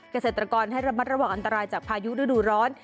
เกษตรกรให้ระมัดระวังอันตรายจากพายุฤดูร้อน